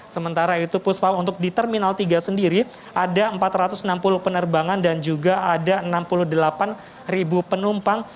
sementara itu puspa untuk di terminal tiga sendiri ada empat ratus enam puluh penerbangan dan juga ada enam puluh delapan penumpang